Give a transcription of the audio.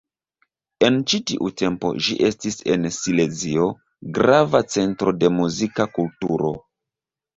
En ĉi tiu tempo ĝi estis en Silezio grava centro de muzika kulturo.